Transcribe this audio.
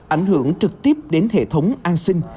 ảnh hưởng trực tiếp đến hệ thống an sinh